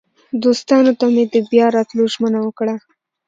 دوستانو ته مې د بیا راتلو ژمنه وکړه.